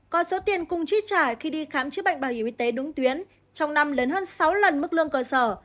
có số tiền cùng trí trả khi đi khám chứa bệnh bảo hiểm y tế đúng tuyến trong năm lớn hơn sáu lần mức lương cơ sở